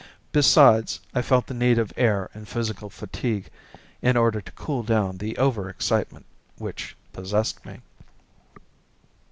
Besides, I felt the need of air and physical fatigue in order to cool down the over excitement which possessed me.